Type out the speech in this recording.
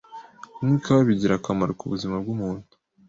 Kunywa ikawa bigira akamaro ku buzima bw’umuntu